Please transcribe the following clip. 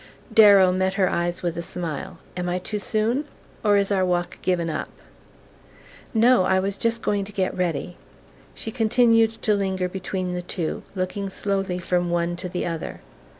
Darrow met her eyes with a smile. "Am I too soon? Or is our walk given up?" "No; I was just going to get ready." She continued to linger between the two, looking slowly from one to the other.